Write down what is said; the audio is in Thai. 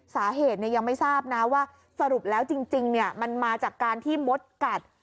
สาเหตุยังไม่ทราบนะว่าสรุปแล้วจริงมันมาจากการที่มดกัด